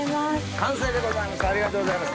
完成でございます！